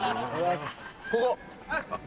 ここ。